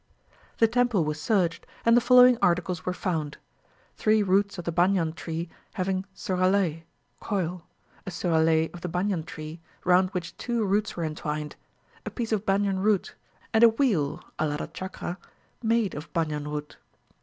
The temple was searched, and the following articles were found: three roots of the banyan tree having suralay (coil), a suralay of the banyan tree, round which two roots were entwined, a piece of banyan root, and a wheel (alada chakra) made of banyan root.